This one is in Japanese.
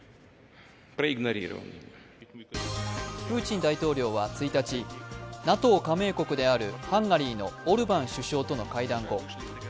プーチン大統領は１日、ＮＡＴＯ加盟国であるハンガリーのオルバン首相との会談後